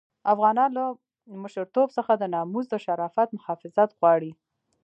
افغانان له مشرتوب څخه د ناموس د شرافت محافظت غواړي.